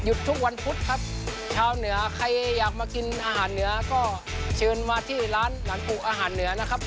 ทุกวันพุธครับชาวเหนือใครอยากมากินอาหารเหนือก็เชิญมาที่ร้านหลังปลูกอาหารเหนือนะครับ